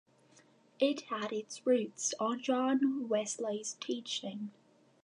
It had its roots on John Wesley's teaching.